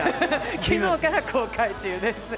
昨日から公開中です。